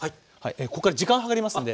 こっから時間計りますんで。